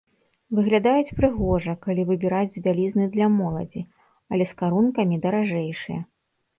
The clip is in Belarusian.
Выглядаюць прыгожа, калі выбіраць з бялізны для моладзі, але з карункамі даражэйшыя.